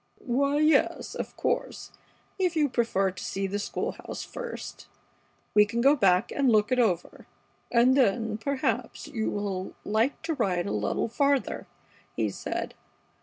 "Why, yes, of course, if you prefer to see the school house first, we can go back and look it over, and then, perhaps, you will like to ride a little farther," he said.